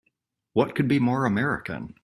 What could be more American!